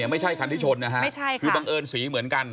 ไม่ใช่คันที่ชนนะฮะคือบังเอิญสีเหมือนกัน